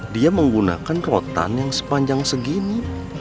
dia menggunakan rotan yang sepanjang segini